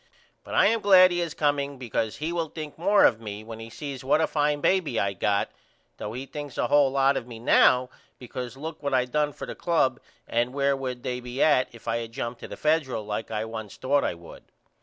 But I am glad he is comeing because he will think more of me when he sees what a fine baby I got though he thinks a hole lot of me now because look what I done for the club and where would they be at if I had jumped to the Federal like I once thought I would.